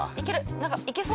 なんかいけそう！